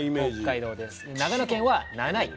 長野県は７位。